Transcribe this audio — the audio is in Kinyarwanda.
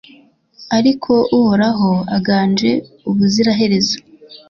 ariko uhoraho aganje ubuziraherezo